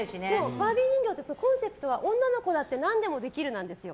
バービー人形ってコンセプトは女の子だって何でもできるなんですよ。